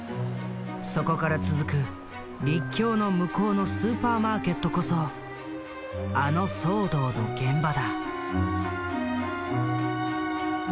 そこから続く陸橋の向こうのスーパーマーケットこそあの騒動の現場だ。